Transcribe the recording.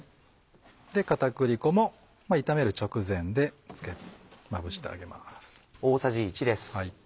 片栗粉も炒める直前でまぶしてあげます。